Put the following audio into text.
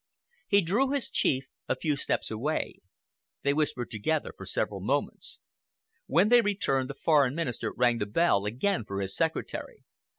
He drew his chief a few steps away. They whispered together for several moments. When they returned, the Foreign Minister rang the bell again for his secretary.